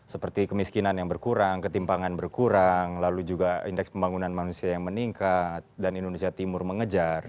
seperti kemiskinan yang berkurang ketimpangan berkurang lalu juga indeks pembangunan manusia yang meningkat dan indonesia timur mengejar